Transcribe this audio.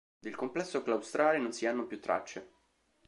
Del complesso claustrale non si hanno più tracce.